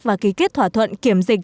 và ký kết thỏa thuận kiểm dịch